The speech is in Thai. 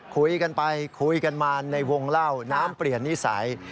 คุยกันไปคุยกันมาในวงเล่าน้ำเปลี่ยนนิสัย